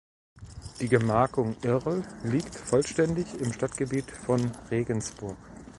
Die Gemarkung Irl liegt vollständig im Stadtgebiet von Regensburg.